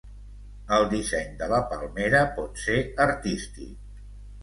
El disseny de la palmera pot ser artístic.